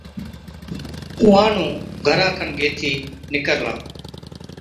اُونهان نُون گھرا کن گيهٿِي نِڪرلا،